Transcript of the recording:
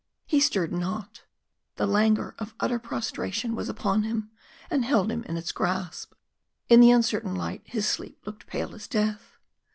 He stirred not the languor of utter prostration was upon him, and held him in its grasp. In the uncertain light his sleep looked pale as death.